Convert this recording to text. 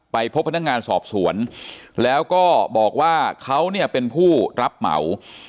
พบพนักงานสอบสวนแล้วก็บอกว่าเขาเนี่ยเป็นผู้รับเหมา